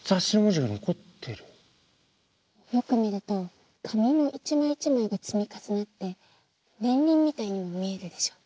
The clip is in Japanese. よく見ると紙の一枚一枚が積み重なって年輪みたいにも見えるでしょ。